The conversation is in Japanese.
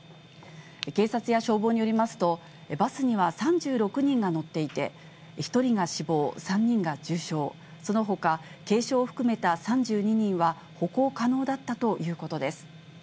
警察や消防によりますと、バスには３６人が乗っていて、１人が死亡、３人が重傷、そのほか、軽傷を含めた３２人は歩行可能だったということです。